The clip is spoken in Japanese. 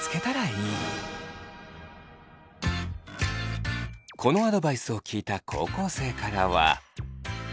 このアドバイスを聞いた高校生からは。